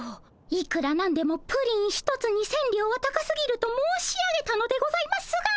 いくら何でもプリン一つに千両は高すぎると申し上げたのでございますが。